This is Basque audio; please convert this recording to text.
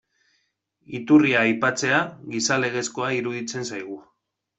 Iturria aipatzea, gizalegezkoa iruditzen zaigu.